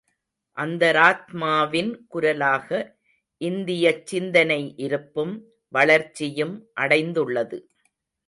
அந்தராத்மாவின் குரலாக இந்தியச் சிந்தனை இருப்பும், வளர்ச்சியும் அடைந்துள்ளது.